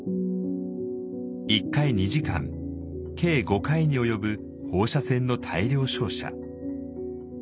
１回２時間計５回に及ぶ放射線の大量照射。